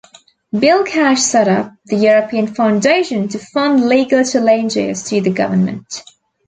Bill Cash set-up the European Foundation to fund legal challenges to the government.